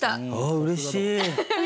あうれしい！